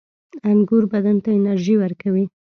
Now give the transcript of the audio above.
• انګور بدن ته انرژي ورکوي.